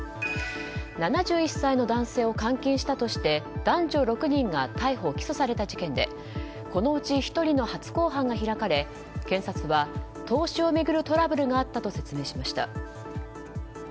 ７１歳の男性を監禁したとして男女６人が逮捕・起訴された事件でこのうち１人の初公判が開かれ検察は投資を巡るトラブルがあったと説明しました。